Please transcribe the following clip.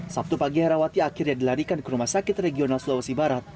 sabtu pagi herawati akhirnya dilarikan ke rumah sakit regional sulawesi barat